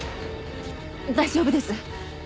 大丈夫です。